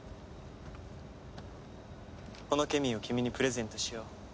このケミーを君にプレゼントしよう。